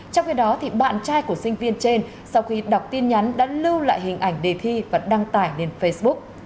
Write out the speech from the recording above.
trong khi đó bạn trai của sinh viên trên sau khi đọc tin nhắn đã lưu lại hình ảnh đề thi và đăng tải lên facebook